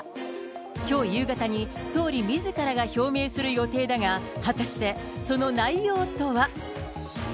きょう夕方に、総理みずからが表明する予定だが、果たして、その内容とは。